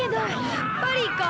やっぱりか。